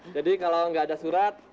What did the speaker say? jadi kalau gak ada surat